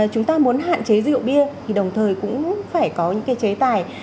chúng ta muốn hạn chế rượu bia thì đồng thời cũng phải có những cái chế tài